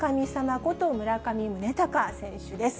こと村上宗隆選手です。